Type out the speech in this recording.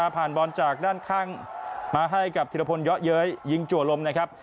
บอลจากด้านข้างมาให้กับธิรพลเยอะเย้ยยิงจัวลมนะครับ